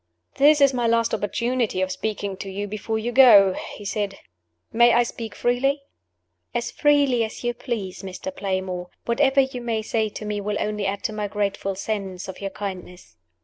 "This is my last opportunity of speaking to you before you go," he said. "May I speak freely?" "As freely as you please, Mr. Playmore. Whatever you may say to me will only add to my grateful sense of your kindness."